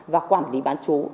và quản lý bán chú